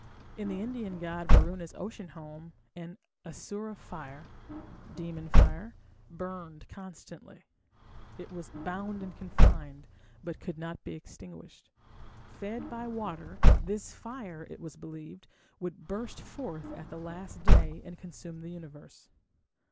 In the Indian god Varuna's ocean home an "Asura fire" (demon fire) burned constantly; it was "bound and confined", but could not be extinguished. Fed by water, this fire, it was believed, would burst forth at the last day and consume the universe.